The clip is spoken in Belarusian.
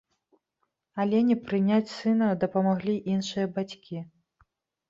Алене прыняць сына дапамаглі іншыя бацькі.